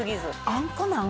あんこなん？